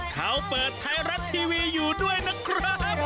เขาเปิดไทยรัฐทีวีอยู่ด้วยนะครับ